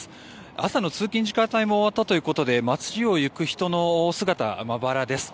朝の通勤時間帯も終わったということで街を行く人の姿はまばらです。